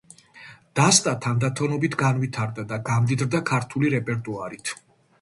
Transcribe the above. დასტა თანდათანობით განვითარდა და გამდიდრდა ქართული რეპერტუარით.